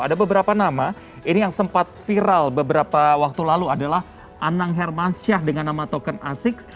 ada beberapa nama ini yang sempat viral beberapa waktu lalu adalah anang hermansyah dengan nama token asix